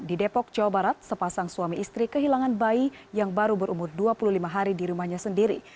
di depok jawa barat sepasang suami istri kehilangan bayi yang baru berumur dua puluh lima hari di rumahnya sendiri